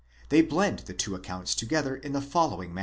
they blend the two accounts together in the following.